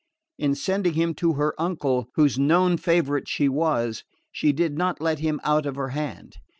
In sending him to her uncle, whose known favourite she was, she did not let him out of her hand.